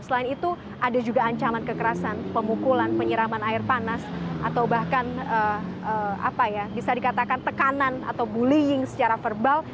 selain itu ada juga ancaman kekerasan pemukulan penyiraman air panas atau bahkan bisa dikatakan tekanan atau bullying secara verbal